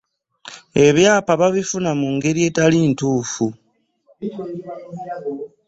Ebyapa babifuna mu ngeri etali ntuufu.